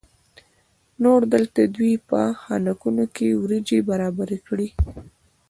نور دلته دوی په خانکونو کې وریجې برابرې کړې.